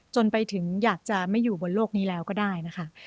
จนไปถึงอยากจะไม่อยู่บนโลกนี้แล้วก็ได้นะคะ